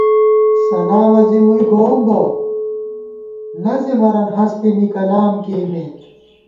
سلامہ زی مُوئی گووُم بہ، لزېمَرَن ہستے می کلام کېئیمېت